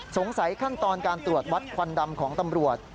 ขั้นตอนการตรวจวัดควันดำของตำรวจ